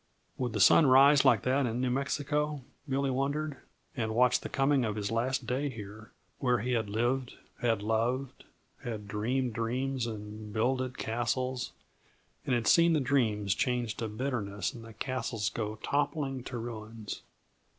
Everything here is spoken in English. Would the sun rise like that in New Mexico? Billy wondered, and watched the coming of his last day here, where he had lived, had loved, had dreamed dreams and builded castles and had seen the dreams change to bitterness, and the castles go toppling to ruins.